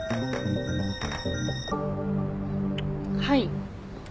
はい。